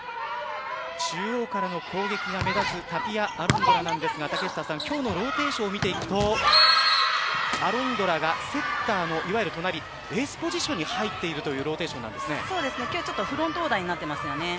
中央からの攻撃が目立つタピア・アロンドラなんですが今日のローテーションを見ていくとアロンドラがセッターのいわゆる隣ペースポジションに入っているという今日はフロントオーダーになっています。